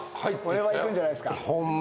これはいくんじゃないですか？